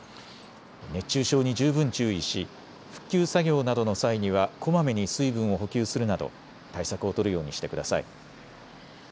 熱中症に十分注意し復旧作業などの際にはこまめに水分を補給するなど対策を取るようにしてください。